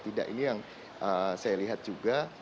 tidak ini yang saya lihat juga